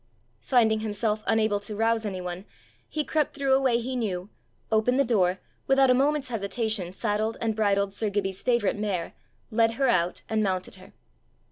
Finding himself unable to rouse anyone, he crept through a way he knew, opened the door, without a moment's hesitation saddled and bridled sir Gibbie's favourite mare, led her out, and mounted her.